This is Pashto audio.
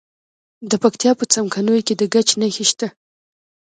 د پکتیا په څمکنیو کې د ګچ نښې شته.